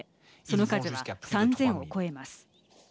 その数は３０００を超えます。